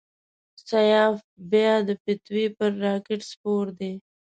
سیاف بیا د فتوی پر راکېټ سپور دی.